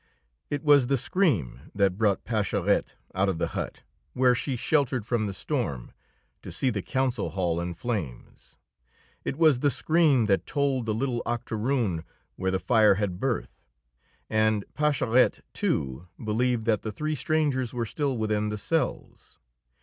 It was the scream that brought Pascherette out of the hut, where she sheltered from the storm, to see the council hall in flames. It was the scream that told the little octoroon where the fire had birth. And Pascherette, too, believed that the three strangers were still within the cells.